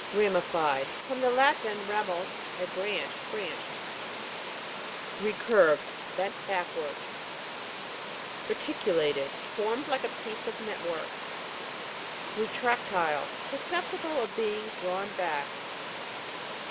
RA'MIFIED. From the Latin, ramus, a branch. Branched. RECU'RVED. Bent backwards. RETI'CULATED. Formed like a piece of net work. RETRAC'TTLE. Susceptible of being drawn back.